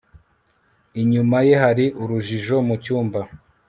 Inyuma ye hari urujijo mu cyumba